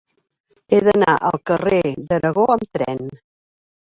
He d'anar al carrer d'Aragó amb tren.